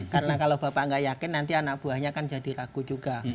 karena kalau bapak tidak yakin nanti anak buahnya kan jadi ragu juga